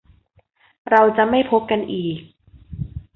เราจะไม่พบกันอีก